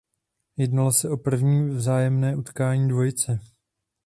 Jednalo se o první vzájemné utkání dvojice.